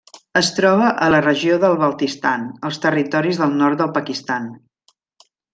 Es troba a la regió del Baltistan, als Territoris del Nord del Pakistan.